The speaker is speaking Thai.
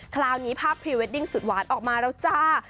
คราวนี้ภาพพรีเวดดิ้งสุดหวานออกมาแล้วจ้า